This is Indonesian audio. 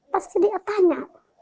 pasti dia tanya